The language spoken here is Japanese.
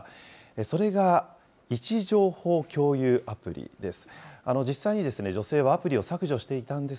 それが位置情報共有アプリです。